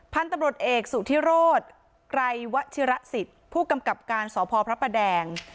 พันธุ์ตำรวจเอกสุธิโรธไกรวชิระสิทธิ์ผู้กำกับการสพพระประแดง